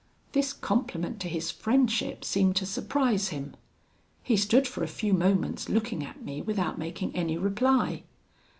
"This compliment to his friendship seemed to surprise him. He stood for a few moments looking at me without making any reply.